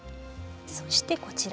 そしてこちら。